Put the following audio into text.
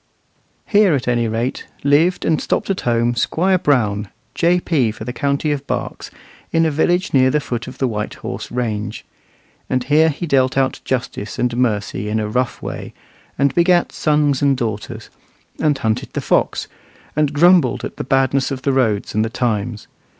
Here, at any rate, lived and stopped at home Squire Brown, J.P. for the county of Berks, in a village near the foot of the White Horse range. And here he dealt out justice and mercy in a rough way, and begat sons and daughters, and hunted the fox, and grumbled at the badness of the roads and the times.